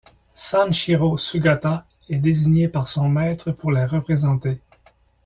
Sanshiro Sugata est désigné par son maître pour la représenter.